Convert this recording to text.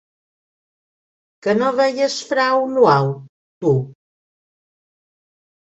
Que no veies “Frau Luau”, tu?